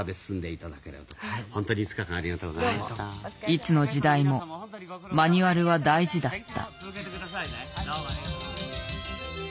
いつの時代もマニュアルは大事だった。